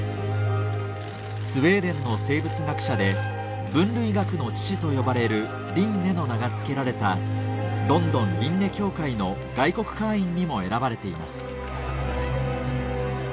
スウェーデンの生物学者で「分類学の父」と呼ばれる「リンネ」の名が付けられたロンドン・リンネ協会の外国会員にも選ばれています